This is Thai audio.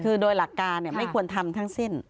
คือโดยหลักการไม่ควรทำทั้งสิ้น